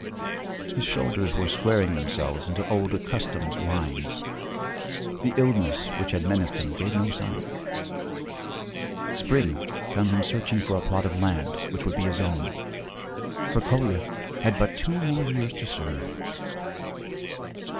His shoulders were squaring themselves into old accustomed lines, the illness which had menaced gave no sign. Spring found him searching for a plot of land which would be his own, for Kolya had but two more years to serve.